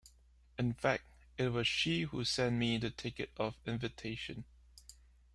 In fact, it was she who sent me the ticket of invitation.